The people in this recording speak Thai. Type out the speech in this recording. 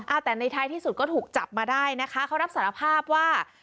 อ่าแต่ในท้ายที่สุดก็ถูกจับมาได้นะคะเขารับสารภาพว่า